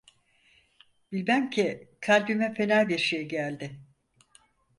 Bilmem ki kalbime fena bir şey geldi.